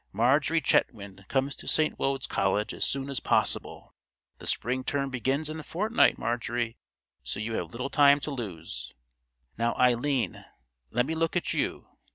'Marjorie Chetwynd comes to St. Wode's College as soon as possible.' The spring term begins in a fortnight, Marjorie, so you have little time to lose.—Now, Eileen, let me look at you.